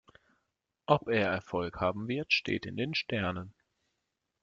Ob er Erfolg haben wird, steht in den Sternen.